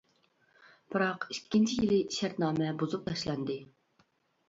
بىراق ئىككىنچى يىلى شەرتنامە بۇزۇپ تاشلاندى.